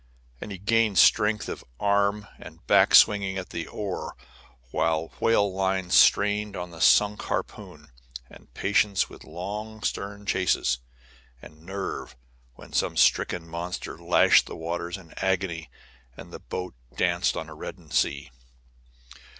And he gained strength of arm and back swinging at the oar while whale lines strained on the sunk harpoon; and patience in long stern chases; and nerve when some stricken monster lashed the waters in agony and the boat danced on a reddened sea.